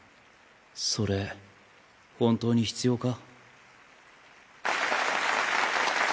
それ本当に必要か？